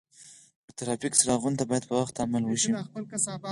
د ترافیک څراغونو ته باید په وخت عمل وشي.